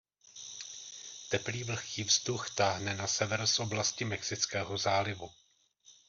Teplý vlhký vzduch táhne na sever z oblasti Mexického zálivu.